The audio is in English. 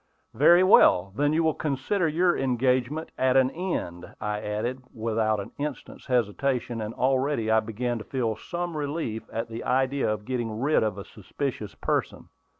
"Very well; then you will consider your engagement at an end," I added, without an instant's hesitation; and already I began to feel some relief at the idea of getting rid of a suspicious person.